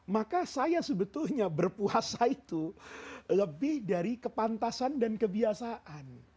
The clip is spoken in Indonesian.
maka saya sebetulnya berpuasa itu lebih dari kepantasan dan kebiasaan